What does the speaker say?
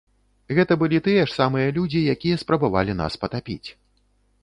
Гэта былі тыя ж самыя людзі, якія спрабавалі нас патапіць.